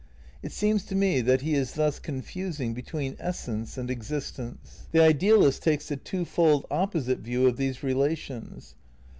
It seems to me that he is thus confusing between essence and existence. The idealist takes the two fold opposite view of these relations.